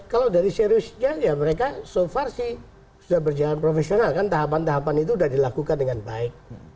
kalau dari seriusnya ya mereka so far sih sudah berjalan profesional kan tahapan tahapan itu sudah dilakukan dengan baik